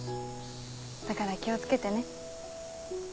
だから気を付けてね。